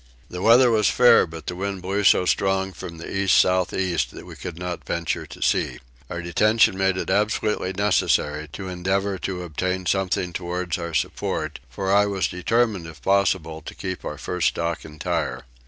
The weather was fair but the wind blew so strong from the east south east that we could not venture to sea. Our detention made it absolutely necessary to endeavour to obtain something towards our support; for I determined if possible to keep our first stock entire.